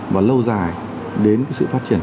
và lâu dài đến sự phát triển